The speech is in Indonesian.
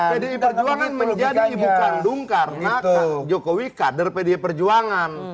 pdi perjuangan menjadi ibu kandung karena jokowi kader pdi perjuangan